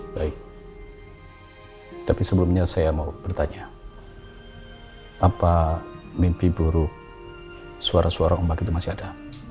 baik tapi sebelumnya saya mau bertanya apa mimpi buruk suara suara ombak itu masih ada